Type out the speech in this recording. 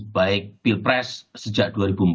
baik pilpres sejak dua ribu empat belas